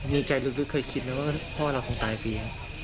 ในใจรึดค่อยคิดไหมว่าพ่อเราตายฟรี